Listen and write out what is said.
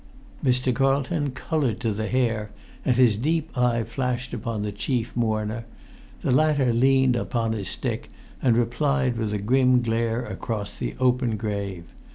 Mr. Carlton coloured to the hair, and his deep eye flashed upon the chief mourner; the latter leant upon his stick and replied with a grim glare across the open grave.